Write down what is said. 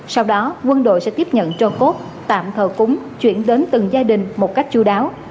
sau đó quân đội sẽ tiếp nhận cho cốt tạm thờ cúng chuyển đến từng gia đình một cách chú đáo